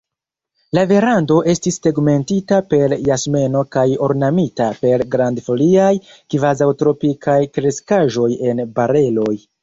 La verando estis tegmentita per jasmeno kaj ornamita per grandfoliaj, kvazaŭtropikaj kreskaĵoj en bareloj.